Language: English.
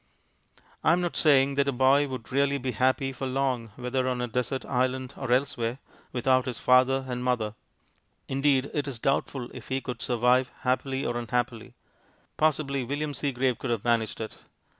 I am not saying that a boy would really be happy for long, whether on a desert island or elsewhere, without his father and mother. Indeed it is doubtful if he could survive, happily or unhappily. Possibly William Seagrave could have managed it.